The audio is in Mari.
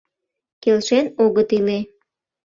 Келшен огыт иле.